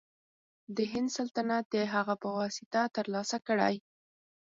د هند سلطنت د هغه په واسطه تر لاسه کړي.